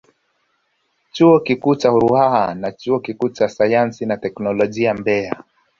Chuo Kikuu cha Ruaha na Chuo Kikuu cha Sayansi na Teknolojia Mbeya